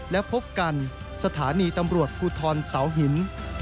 และพบกันสถานีตำรวจภูทรเสาหิน